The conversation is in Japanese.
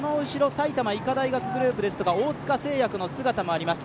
埼玉医科大学グループですとか大塚製薬の姿もあります。